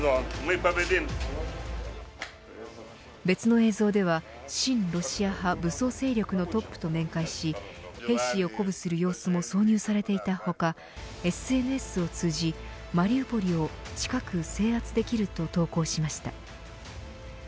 別の映像では親ロシア派武装兵力のトップと面会し兵士を鼓舞する様子も挿入されていた他ＳＮＳを通じマリウポリを近く制圧できると投稿しました。